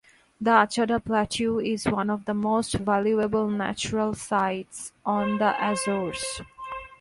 The Achada Plateau is one of the most valuable natural sites on the Azores.